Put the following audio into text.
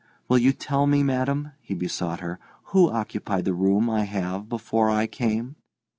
"Will you tell me, madam," he besought her, "who occupied the room I have before I came?"